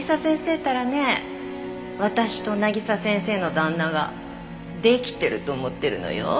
ったらね私と渚先生の旦那がデキてると思ってるのよ。